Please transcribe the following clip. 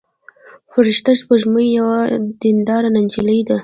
فرشته سپوږمۍ یوه دينداره نجلۍ ده.